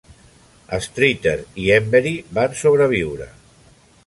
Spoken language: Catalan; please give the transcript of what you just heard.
Streather i Emvery van sobreviure.